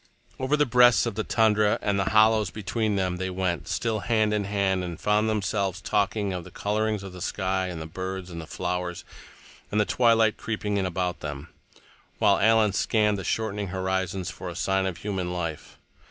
Over the breasts of the tundra and the hollows between they went, still hand in hand, and found themselves talking of the colorings in the sky, and the birds, and flowers, and the twilight creeping in about them, while Alan scanned the shortening horizons for a sign of human life.